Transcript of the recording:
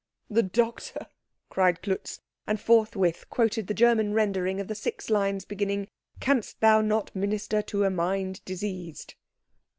"The doctor!" cried Klutz; and forthwith quoted the German rendering of the six lines beginning, Canst thou not minister to a mind diseased.